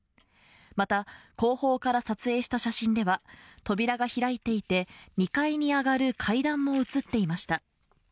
また後方から撮影した写真では扉が開いていて２階に上がる階段も映っていました